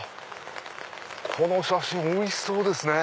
この写真おいしそうですね。